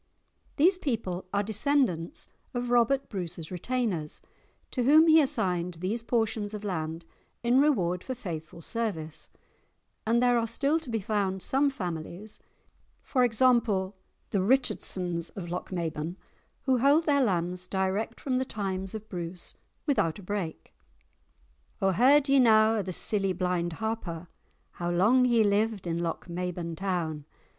These people are descendants of Robert Bruce's retainers, to whom he assigned these portions of land in reward for faithful service, and there are still to be found some families (e.g. the Richardsons of Lochmaben) who hold their lands direct from the times of Bruce without a break. "O heard ye na o' the silly blind Harper, How long he lived in Lochmaben town?